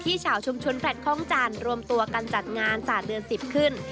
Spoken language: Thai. ที่ชาวชุมชุนแผลดคล่องจานรวมตัวกันจัดงานศาสตร์เดือน๑๐ขึ้น